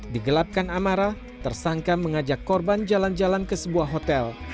digelapkan amarah tersangka mengajak korban jalan jalan ke sebuah hotel